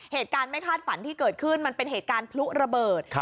เหตุการณ์ไม่คาดฝันที่เกิดขึ้นมันเป็นเหตุการณ์พลุระเบิด